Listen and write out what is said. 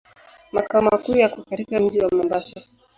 Makao makuu yako katika mji wa Mombasa.